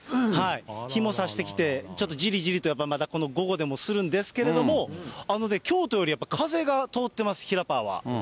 日もさしてきて、ちょっとじりじりと、やっぱりまだ、この午後でもするんですけども、京都よりやっぱ風が通ってます、ひらパーは。